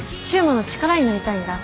柊磨の力になりたいんだ。